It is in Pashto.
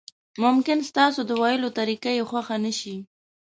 ممکن ستاسو د ویلو طریقه یې خوښه نشي.